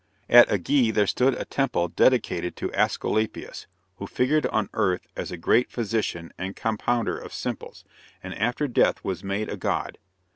At Ægæ there stood a temple dedicated to Æsculapius, who figured on earth as a great physician and compounder of simples, and after death was made a god.